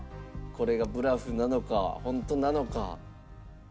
これがブラフなのかホントなのか。